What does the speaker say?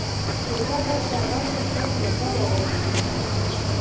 چې دغه سکروټې ستاسې له خوا را غورځېدلې دي.